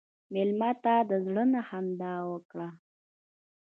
مېلمه ته د زړه نه خندا ورکړه.